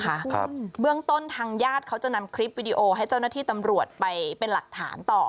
ครับเบื้องต้นทางญาติเขาจะนำคลิปวิดีโอให้เจ้าหน้าที่ตำรวจไปเป็นหลักฐานต่อ